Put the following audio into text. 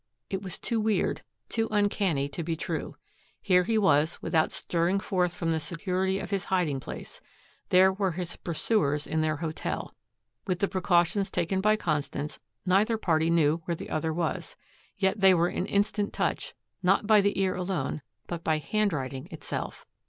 It was too weird, too uncanny to be true. Here he was, without stirring forth from the security of his hiding place; there were his pursuers in their hotel. With the precautions taken by Constance, neither party knew where the other was. Yet they were in instant touch, not by the ear alone, but by handwriting itself.